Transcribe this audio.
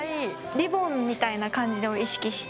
リボンみたいな感じを意識して。